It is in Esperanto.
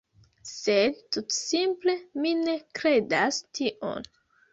Sed, tutsimple, mi ne kredas tion.